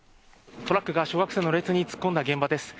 トラックが小学生の列に突っ込んだ現場です。